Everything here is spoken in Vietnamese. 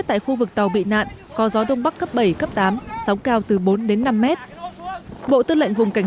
tại khu vực tàu bị nạn có gió đông bắc cấp bảy cấp tám sóng cao từ bốn đến năm mét bộ tư lệnh vùng cảnh